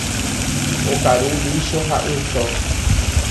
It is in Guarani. Okaru vícho ha yso.